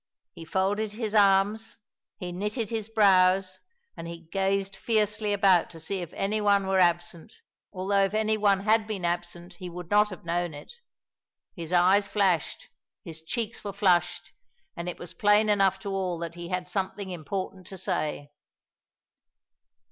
He folded his arms; he knitted his brows, and he gazed fiercely about to see if any one were absent, although if any one had been absent he would not have known it. His eyes flashed, his cheeks were flushed, and it was plain enough to all that he had something important to say.